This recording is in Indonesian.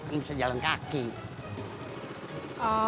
iya dia usta dia